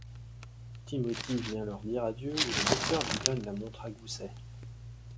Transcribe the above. Timothy vient leur dire adieu et le docteur lui donne la montre à gousset.